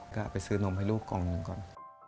ก็เอาไปซื้อนมให้ลูกกล่องหนึ่งก่อน